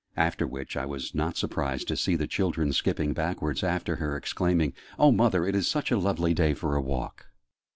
After which, I was not surprised to see the children skipping backwards after her, exclaiming "Oh, mother, it is such a lovely day for a walk!"